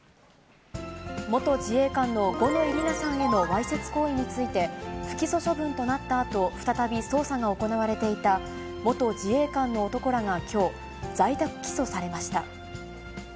元自衛官の五ノ井里奈さんへのわいせつ行為について不起訴処分となったあと、再び捜査が行われていた、元自衛官の男らがきょう、在宅起訴されました。